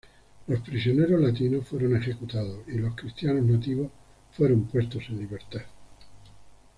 Los prisioneros latinos fueron ejecutados y los cristianos nativos fueron puestos en libertad.